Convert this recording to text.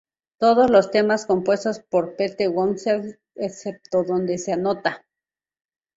Todos los temas compuestos por Pete Townshend excepto donde se anota.